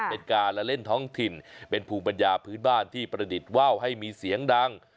เป็นการละเล่นท้องถิ่นเป็นภูมิปัญญาพื้นบ้านที่ประดิษฐ์ว่าวให้มีเสียงดัง